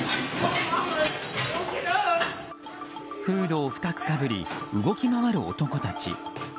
フードを深くかぶり動き回る男たち。